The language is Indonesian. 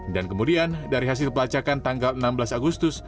dan kemudian dari hasil pelacakan tanggal enam belas agustus